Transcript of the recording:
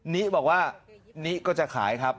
นิบอกว่านิก็จะขายครับ